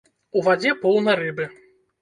У вадзе поўна рыбы.